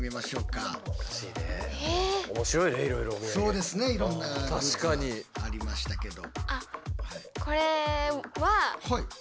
そうですねいろんなグッズありましたけど。